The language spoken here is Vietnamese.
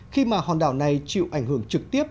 khi mà hòn đảo này chịu ảnh hưởng trực tiếp